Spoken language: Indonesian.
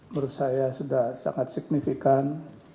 menurut saya sudah sangat signifikan